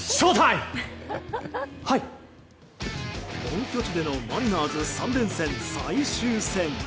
本拠地でのマリナーズ３連戦最終戦。